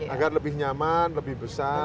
agar lebih nyaman lebih besar